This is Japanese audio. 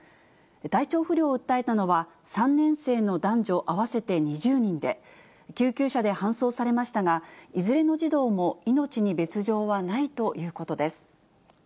体調不良を訴えたのは、３年生の男女合わせて２０人で、救急車で搬送されましたが、いずれの児童も命に別状はないということです。